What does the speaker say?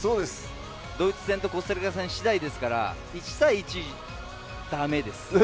ドイツ戦とコスタリカ戦次第ですから１対１だめです。